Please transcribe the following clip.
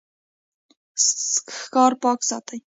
ښار پاک ساتئ